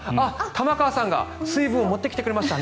玉川さんが水分持ってきてくれました。